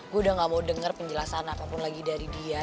gue udah gak mau dengar penjelasan apapun lagi dari dia